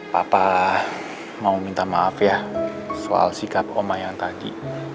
papa mau minta maaf ya soal sikap oma yang tadi